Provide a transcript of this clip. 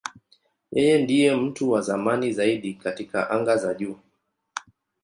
Yeye ndiye mtu wa zamani zaidi katika anga za juu.